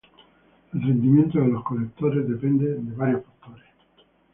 El rendimiento de los colectores depende de varios factores.